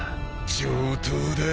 上等だ！